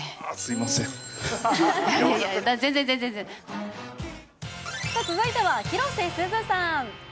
いやいや、さあ、続いては広瀬すずさん。